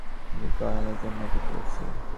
আমি কয়েনের জন্য অপেক্ষা করছি।